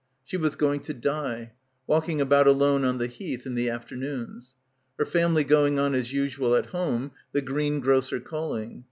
She was going to die, walking about alone on the Heath in the after noons. Her family going on as usual at home; the greengrocer calling.